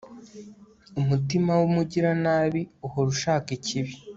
umutima w'umugiranabi uhora ushaka ikibi